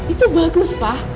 itu bagus pa